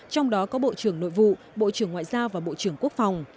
trong đó có bộ trưởng nội vụ bộ trưởng ngoại giao và bộ trưởng quốc phòng